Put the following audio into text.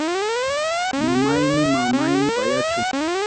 Mamayni mana payachu.